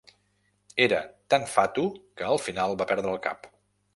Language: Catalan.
Era tan fatu que al final va perdre el cap.